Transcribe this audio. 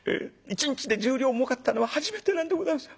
一日で１０両もうかったのは初めてなんでございます。